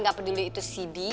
gak peduli itu cd